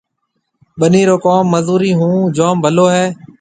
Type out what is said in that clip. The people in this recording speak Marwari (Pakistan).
ٻنِي رو ڪوم مزُورِي هون جوم ڀلو هيَ۔